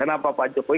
kenapa pak jokowi